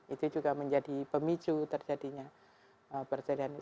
itu juga menjadi pemicu terjadinya perceraian ini